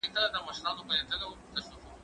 زه به سبا لیکل وکړم؟!